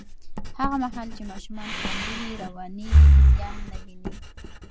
هغه مهال چې ماشومان خوندي وي، رواني زیان نه ویني.